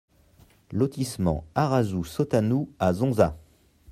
Lotissement Arasu Sottanu à Zonza